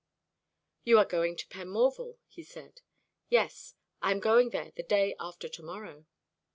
"You are going to Penmorval," he said. "Yes, I am going there the day after to morrow."